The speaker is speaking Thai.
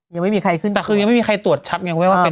ยังไม่มีใครขึ้นแต่คือยังไม่มีใครตรวจชัดยังไง